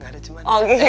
gak ada cuman